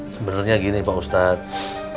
sebenernya gini pak ustadz